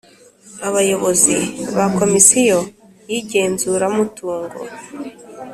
Abayobozi ba Komisiyo y igenzuramutungo